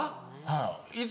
はい。